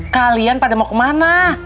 kalian pada mau kemana